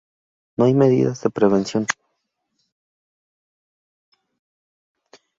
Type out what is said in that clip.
No hay medidas de prevención.